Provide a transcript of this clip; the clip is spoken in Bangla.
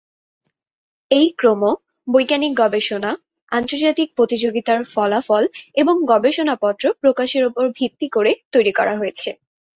এই ক্রম বৈজ্ঞানিক গবেষণা, আন্তর্জাতিক প্রতিযোগিতার ফলাফল এবং গবেষণাপত্র প্রকাশের উপর ভিত্তি করে তৈরি করা হয়েছে।